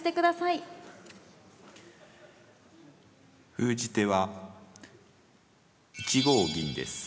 封じ手は１五銀です。